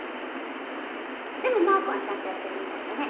でもマー君はちゃんとやってるみたいだね。